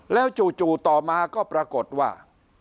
แล้วจู่ต่อมาก็ปรากฏว่า